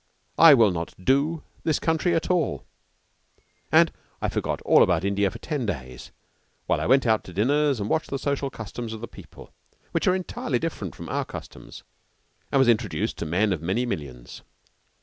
I will not 'do' this country at all." And I forgot all about India for ten days while I went out to dinners and watched the social customs of the people, which are entirely different from our customs, and was introduced to men of many millions.